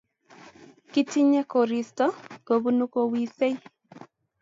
kitinye koristo kobunu kowisei.